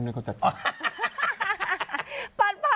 ดูสิ